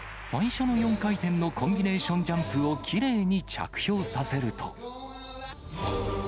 最初の４回転のコンビネーションジャンプをきれいに着氷させると。